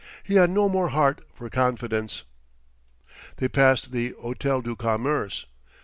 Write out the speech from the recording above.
He had no more heart for confidence. They passed the Hôtel du Commerce.